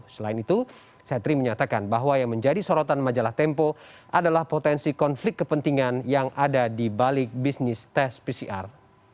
selain itu setri menyatakan bahwa yang menjadi sorotan majalah tempo adalah potensi konflik kepentingan yang ada di balik bisnis tes pcr